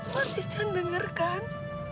mas iksan dengarkan